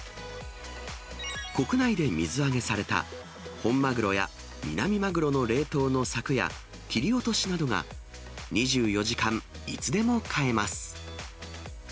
国内で水揚げされた、本マグロやミナミマグロの冷凍のさくや切り落としなどが２４時間いつでも買えます。